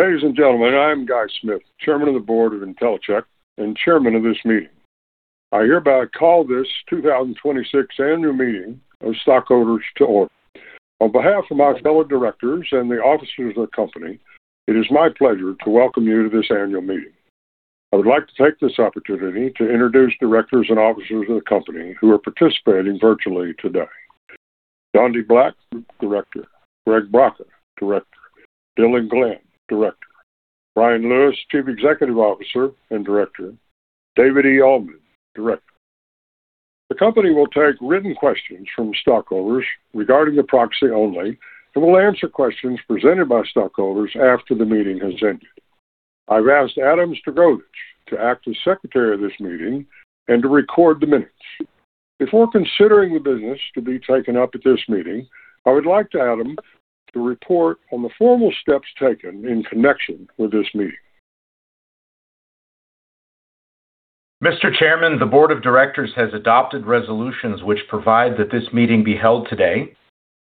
Ladies and gentlemen, I'm Guy Smith, Chairman of the Board of Intellicheck and chairman of this meeting. I hereby call this 2026 annual meeting of stockholders to order. On behalf of my fellow Directors and the officers of the company, it is my pleasure to welcome you to this annual meeting. I would like to take this opportunity to introduce Directors and officers of the company who are participating virtually today. Dondi Black, Director. Gregory B. Braca, Director. Dylan Glenn, Director. Bryan Lewis, Chief Executive Officer and Director. David E. Ullman, Director. The company will take written questions from stockholders regarding the proxy only and will answer questions presented by stockholders after the meeting has ended. I've asked Adam Sragovicz to act as secretary of this meeting and to record the minutes. Before considering the business to be taken up at this meeting, I would like Adam to report on the formal steps taken in connection with this meeting. Mr. Chairman, the board of directors has adopted resolutions which provide that this meeting be held today,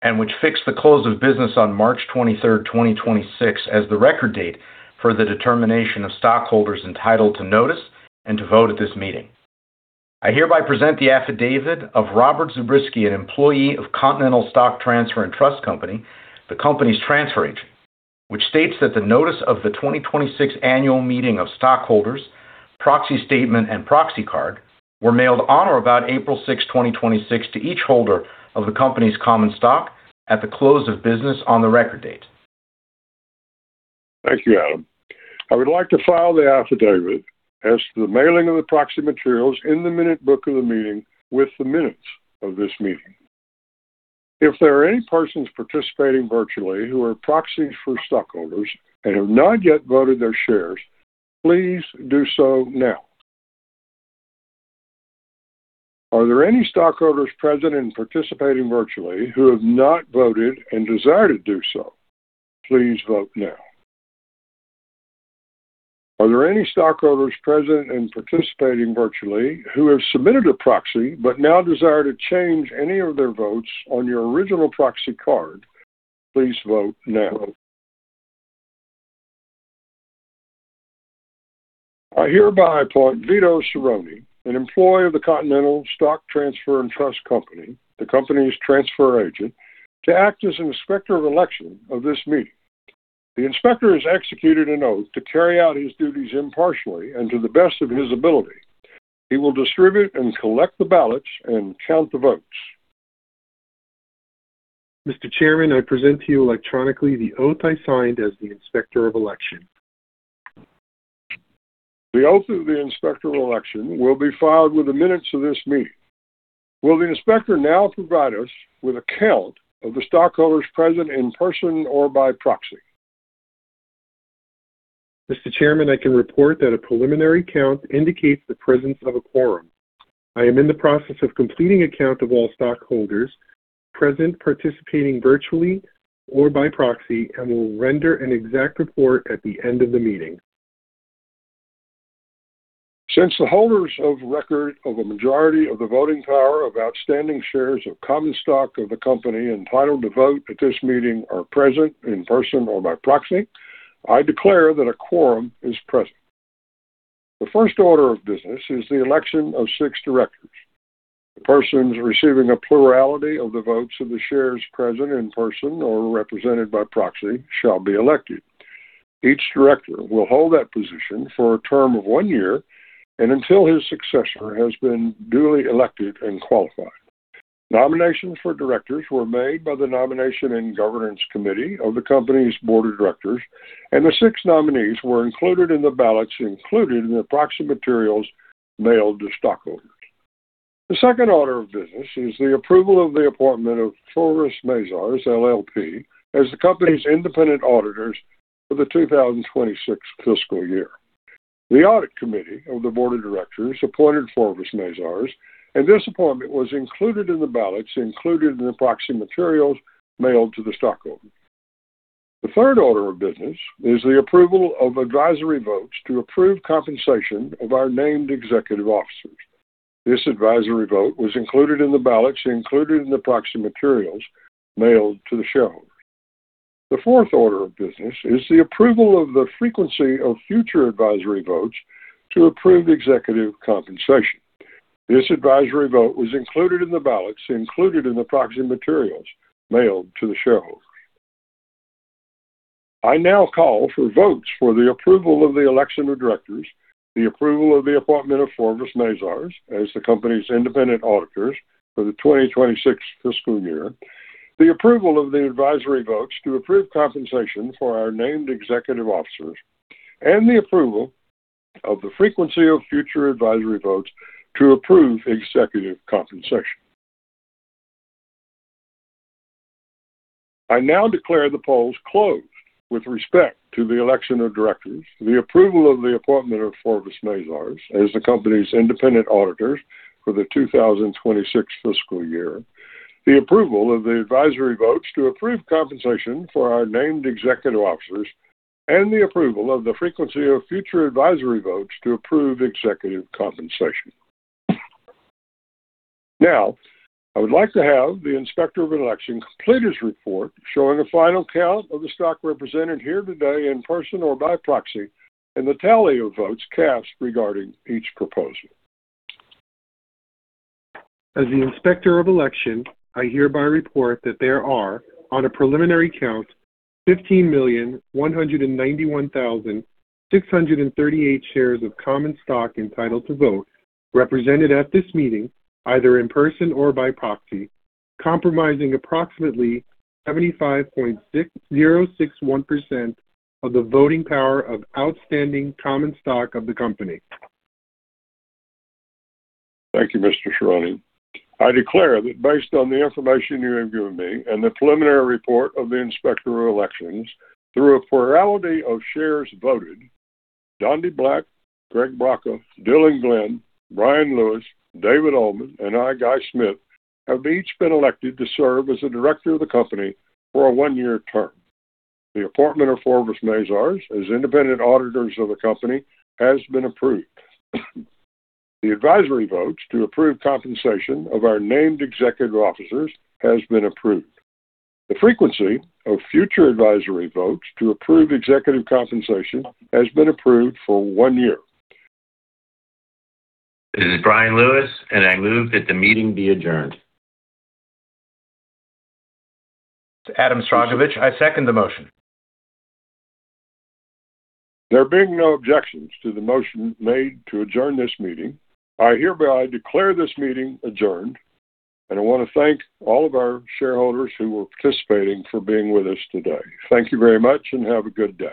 and which fixed the close of business on March 23, 2026 as the record date for the determination of stockholders entitled to notice and to vote at this meeting. I hereby present the affidavit of Robert Zabriskie, an employee of Continental Stock Transfer and Trust Company, the company's transfer agent, which states that the notice of the 2026 annual meeting of stockholders, proxy statement, and proxy card were mailed on or about April 6, 2026 to each holder of the company's common stock at the close of business on the record date. Thank you, Adam. I would like to file the affidavit as to the mailing of the proxy materials in the minute book of the meeting with the minutes of this meeting. If there are any persons participating virtually who are proxies for stockholders and have not yet voted their shares, please do so now. Are there any stockholders present and participating virtually who have not voted and desire to do so, please vote now. Are there any stockholders present and participating virtually who have submitted a proxy but now desire to change any of their votes on your original proxy card, please vote now. I hereby appoint Vito Cirone, an employee of the Continental Stock Transfer and Trust Company, the company's transfer agent, to act as inspector of election of this meeting. The inspector has executed an oath to carry out his duties impartially and to the best of his ability. He will distribute and collect the ballots and count the votes. Mr. Chairman, I present to you electronically the oath I signed as the inspector of election. The oath of the inspector of election will be filed with the minutes of this meeting. Will the inspector now provide us with a count of the stockholders present in person or by proxy? Mr. Chairman, I can report that a preliminary count indicates the presence of a quorum. I am in the process of completing a count of all stockholders present, participating virtually or by proxy, and will render an exact report at the end of the meeting. Since the holders of record of a majority of the voting power of outstanding shares of common stock of the company entitled to vote at this meeting are present in person or by proxy, I declare that a quorum is present. The first order of business is the election of six directors. The persons receiving a plurality of the votes of the shares present in person or represented by proxy shall be elected. Each director will hold that position for a term of one year and until his successor has been duly elected and qualified. Nominations for directors were made by the nomination and governance committee of the company's board of directors, and the six nominees were included in the ballots included in the proxy materials mailed to stockholders. The second order of business is the approval of the appointment of Forvis Mazars LLP as the company's independent auditors for the 2026 fiscal year. The audit committee of the board of directors appointed Forvis Mazars. This appointment was included in the ballots included in the proxy materials mailed to the stockholder. The third order of business is the approval of advisory votes to approve compensation of our named executive officers. This advisory vote was included in the ballots included in the proxy materials mailed to the shareholders. The fourth order of business is the approval of the frequency of future advisory votes to approve executive compensation. This advisory vote was included in the ballots included in the proxy materials mailed to the shareholders. I now call for votes for the approval of the election of directors, the approval of the appointment of Forvis Mazars as the company's independent auditors for the 2026 fiscal year, the approval of the advisory votes to approve compensation for our named executive officers, and the approval of the frequency of future advisory votes to approve executive compensation. I now declare the polls closed with respect to the election of directors, the approval of the appointment of Forvis Mazars as the company's independent auditors for the 2026 fiscal year, the approval of the advisory votes to approve compensation for our named executive officers, and the approval of the frequency of future advisory votes to approve executive compensation. I would like to have the inspector of election complete his report showing a final count of the stock represented here today in person or by proxy, and the tally of votes cast regarding each proposal. As the inspector of election, I hereby report that there are, on a preliminary count, 15,191,638 shares of common stock entitled to vote, represented at this meeting, either in person or by proxy, compromising approximately 75.061% of the voting power of outstanding common stock of the company. Thank you, Mr. Cirone. I declare that based on the information you have given me and the preliminary report of the inspector of elections, through a plurality of shares voted, Dondi Black, Gregory B. Braca, Dylan Glenn, Bryan Lewis, David E. Ullman, and I, Guy Smith, have each been elected to serve as a director of the company for a one-year term. The appointment of Forvis Mazars as independent auditors of the company has been approved. The advisory votes to approve compensation of our named executive officers has been approved. The frequency of future advisory votes to approve executive compensation has been approved for one year. This is Bryan Lewis, and I move that the meeting be adjourned. Adam Sragovicz, I second the motion. There being no objections to the motion made to adjourn this meeting, I hereby declare this meeting adjourned. I wanna thank all of our shareholders who were participating for being with us today. Thank you very much, and have a good day.